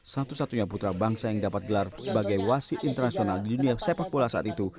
satu satunya putra bangsa yang dapat gelar sebagai wasi internasional di dunia sepak bola saat itu